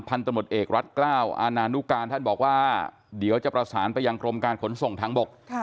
ตำรวจเอกรัฐกล้าวอาณานุการท่านบอกว่าเดี๋ยวจะประสานไปยังกรมการขนส่งทางบก